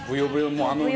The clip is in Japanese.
もうあのね。